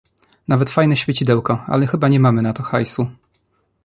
Nawet fajne świecidełko, ale chyba nie mamy na to hajsu.